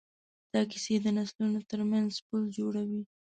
دا کیسې د نسلونو ترمنځ پل جوړوي.